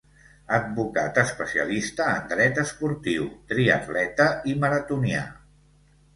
Advocat especialista en Dret esportiu, triatleta i maratonià.